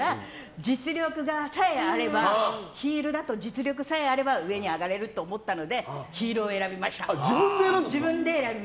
ヒールだと実力さえあれば上に上がれると思ったので自分でヒールを選びました。